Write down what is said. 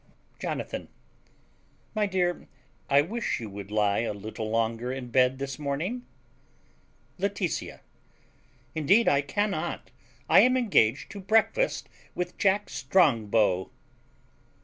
Jonathan. My dear, I wish you would lie a little longer in bed this morning. Laetitia. Indeed I cannot; I am engaged to breakfast with Jack Strongbow.